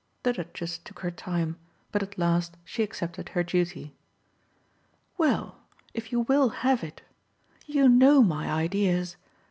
The Duchess took her time, but at last she accepted her duty. "Well, if you will have it. You know my ideas.